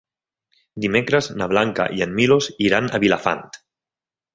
Dimecres na Blanca i en Milos iran a Vilafant.